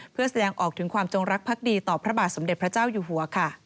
เพื่อแสดงออกถึงความจงรักภักดีต่อพระบาทสมเด็จพระเจ้าอยู่หัว